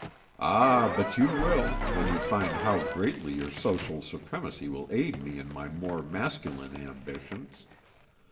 Ah! but you will, when you find how greatly your social supremacy will aid me in my more masculine ambitions.